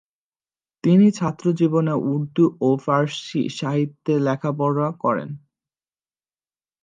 তিনি ছাত্র জীবনে উর্দু ও ফার্সি সাহিত্যে লেখাপড়া করেন।